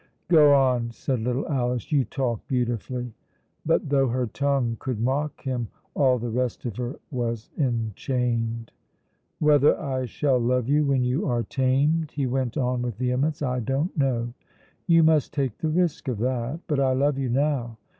"Go on," said little Alice; "you talk beautifully." But though her tongue could mock him, all the rest of her was enchained. "Whether I shall love you when you are tamed," he went on with vehemence, "I don't know. You must take the risk of that. But I love you now.